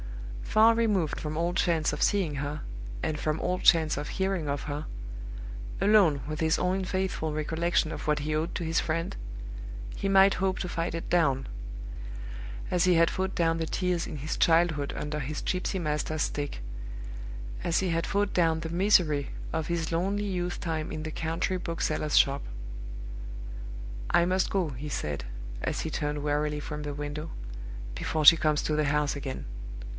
Far removed from all chance of seeing her, and from all chance of hearing of her alone with his own faithful recollection of what he owed to his friend he might hope to fight it down, as he had fought down the tears in his childhood under his gypsy master's stick; as he had fought down the misery of his lonely youth time in the country bookseller's shop. "I must go," he said, as he turned wearily from the window, "before she comes to the house again.